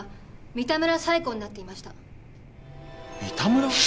三田村？